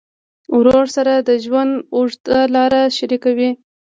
ورور سره د ژوند اوږده لار شریکه وي.